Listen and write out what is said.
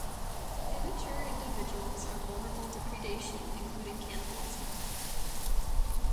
Immature individuals are vulnerable to predation, including cannibalism.